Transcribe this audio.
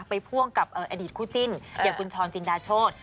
พ่วงกับอดีตคู่จิ้นอย่างคุณช้อนจินดาโชธ